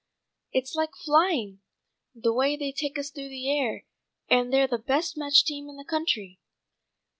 "It's like flying, the way they take us through the air, and they're the best matched team in the country."